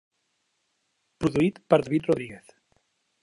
Produït per David Rodríguez.